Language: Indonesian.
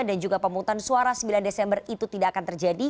dan juga pemutusan suara sembilan desember itu tidak akan terjadi